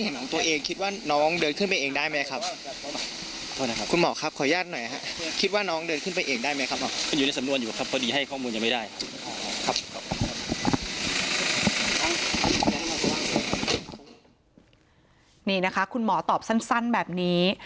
นี่นะคะคุณหมอตอบสั้นแบบนี้